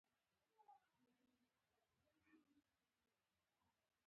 ایا له غوږونو مو مواد راځي؟